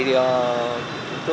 thì tốt hơn